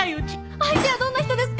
相手はどんな人ですか！？